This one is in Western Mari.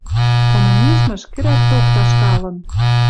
Коммунизмыш кӹрӓток ташкалын